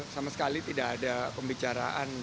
sama sekali tidak ada pembicaraan